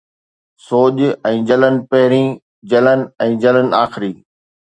سوڄ ۽ جلڻ پهرين، جلڻ ۽ جلڻ آخري